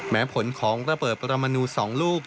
แม้ผลของระเบิดประมณูสองลูก